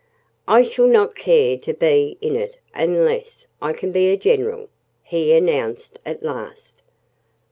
"I shall not care to be in it unless I can be a general," he announced at last.